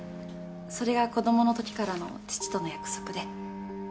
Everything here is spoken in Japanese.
それが子供の時からの父との約束で。